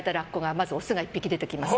まずオスが１匹出てきます。